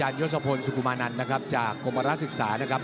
อยสุกุมานั้นจากกรมรัฐศึกษานะครับ